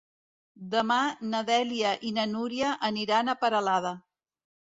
Demà na Dèlia i na Núria aniran a Peralada.